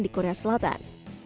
di korea selatan